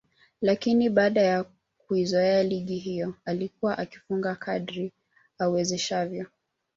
lakini baada ya kuizoea ligi hiyo alikuwa akifunga kadri awezeshavyo